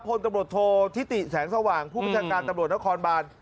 พลตำรวจโทษธิติแสงสว่างผู้ประชาการตำรวจนครบาน